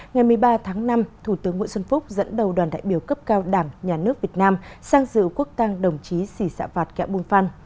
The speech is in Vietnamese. ngày một mươi ba tháng năm thủ tướng nguyễn xuân phúc dẫn đầu đoàn đại biểu cấp cao đảng nhà nước việt nam sang dự quốc tăng đồng chí sĩ xã vạt kẹo bùn phan